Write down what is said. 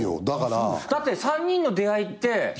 だって３人の出会いって。